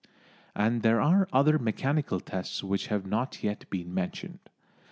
And there are other mechanical tests which have not yet been mentioned.